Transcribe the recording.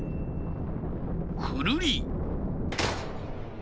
くるり。